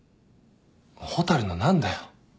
蛍の何だよ？